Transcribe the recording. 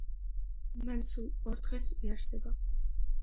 მან სულ ორ დღეს იარსება.